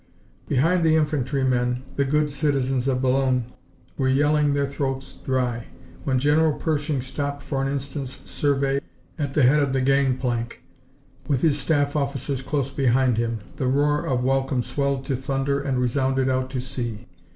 Behind the infantrymen the good citizens of Boulogne were yelling their throats dry. When General Pershing stopped for an instant's survey at the head of the gang plank, with his staff officers close behind him, the roar of welcome swelled to thunder and resounded out to sea.